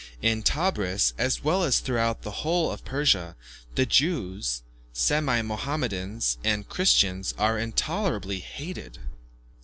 In Tebris, as well as throughout the whole of Persia, the Jews, semi Mahomedans, and Christians, are intolerably hated.